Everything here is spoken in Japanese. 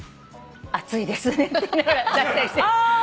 「暑いですね」って言いながら出したりして。